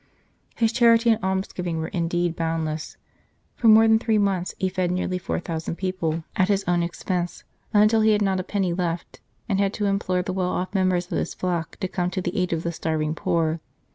His charity and almsgiving were indeed bound less. For more than three months he fed nearly four thousand people at his own expense, until he had not a penny left, and had to implore the well off members of his flock to come to the aid of the starving poor.